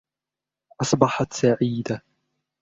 أصبحت سعيدة.